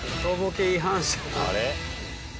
あれ？